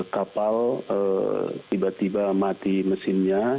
kapal tiba tiba mati mesinnya